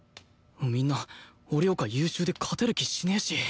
みんな俺よか優秀で勝てる気しねえし！